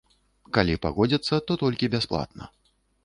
Калі пагодзяцца, то толькі бясплатна.